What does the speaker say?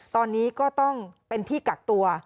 ตอนนี้ก็ต้องเป็นที่กักตัว